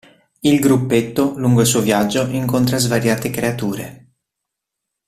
Il gruppetto, lungo il suo viaggio, incontra svariate creature..